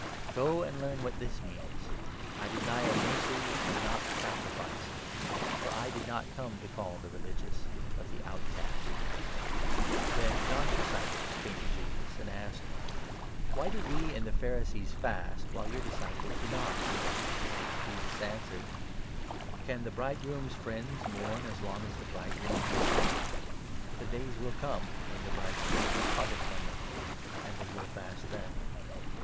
Go and learn what this means — 13 ' I desire mercy, and not sacrifice '; for I did not come to call the religious, but the outcast." ... Then John's disciples came to Jesus, and asked : 14 The Disciples ,,,•,„ J , j ,, p., • e \ 1 1 blamed for Why do we and the Pharisees last while your not Fasting, disciples do not ?" Jesus answered : 15 " Can the bridegroom's friends mourn as long as the bride groom is with them ? But the days will come, when the bride groom will be parted from them, and they will fast then.